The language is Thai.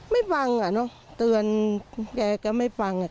ไม่ฟังอ่ะเนอะเตือนแกก็ไม่ฟังอ่ะ